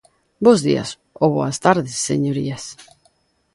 Bos días ou boas tardes, señorías.